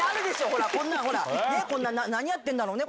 ほらこんなん何やってんだろうね？